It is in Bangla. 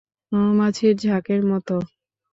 মৌমাছির ঝাঁকের মতো!